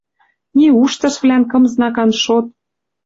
Ни уштышвлӓн кым знакан шот